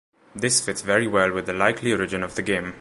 This fits very well with the likely origin of the game.